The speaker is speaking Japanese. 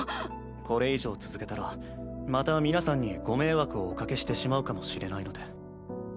これ以上続けたらまた皆さんにご迷惑をおかけしてしまうかもしれないので。